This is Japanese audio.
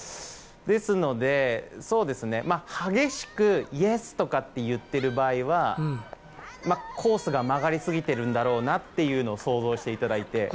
ですので激しくイエス！とかって言っている場合はコースが曲がりすぎてるんだろうなというのを想像していただいて。